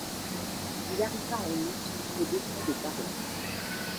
Il arriva en août dans le détroit de Barrow.